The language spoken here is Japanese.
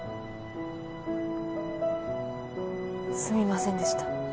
すみませんでした。